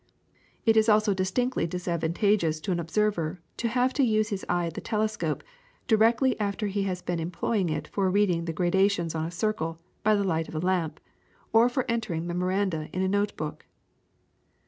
It is also distinctly disadvantageous to an observer to have to use his eye at the telescope directly after he has been employing it for reading the graduations on a circle, by the light of a lamp, or for entering memoranda in a note book.